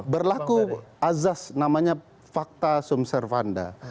berlaku azas namanya fakta subservanda